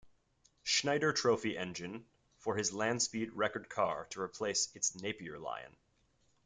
Schneider Trophy engine for his land speed record car to replace its Napier Lion.